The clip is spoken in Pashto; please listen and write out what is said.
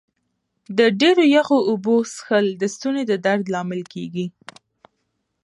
د ډېرو یخو اوبو څښل د ستوني د درد لامل کېږي.